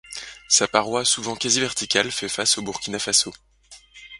Sa paroi souvent quasi verticale fait face au Burkina-Faso.